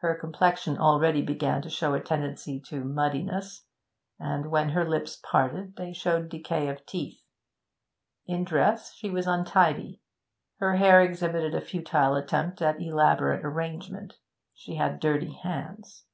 Her complexion already began to show a tendency to muddiness, and when her lips parted, they showed decay of teeth. In dress she was untidy; her hair exhibited a futile attempt at elaborate arrangement; she had dirty hands.